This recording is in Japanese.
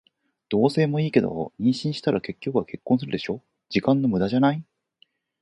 同棲もいいけど、妊娠したら結局は結婚するでしょ。時間の無駄じゃない？